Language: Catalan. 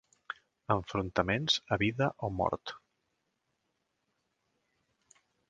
Enfrontaments a vida o mort.